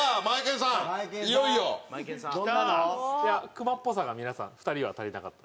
クマっぽさが皆さん２人は足りなかった。